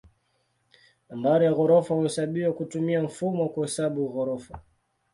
Nambari ya ghorofa huhesabiwa kutumia mfumo wa kuhesabu ghorofa.